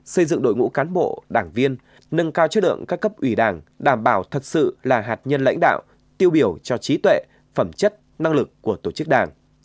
xây dựng đội ngũ cán bộ đảng viên nâng cao chất lượng các cấp ủy đảng đảm bảo thật sự là hạt nhân lãnh đạo tiêu biểu cho trí tuệ phẩm chất năng lực của tổ chức đảng